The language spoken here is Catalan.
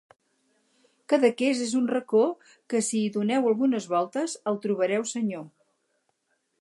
Cadaqués és un racó que, si hi doneu algunes voltes, el trobareu senyor.